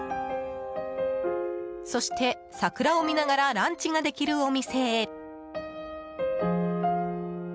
そして、桜を見ながらランチができるお店へ。